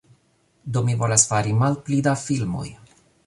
Do mi volas fari malpli da filmoj